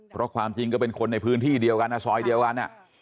เพราะความจริงก็เป็นคนในพื้นที่เดียวกันนะซอยเดียวกัน